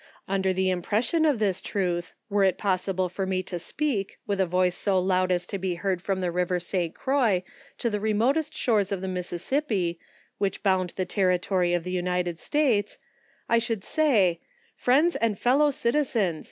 Under the impression of this truth, Mere it possible for me to speak, with a voice so loud as to be heard from the river St. Croix, to the remotest shores of the Mississippi, which bound the territory of the United States, I would say — Friends and Fellow Citizens